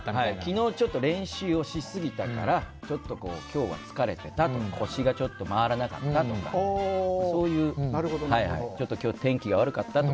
昨日ちょっと練習をしすぎたからちょっと今日は疲れてたとか腰が回らなかったとかちょっと今日天気が悪かったとか。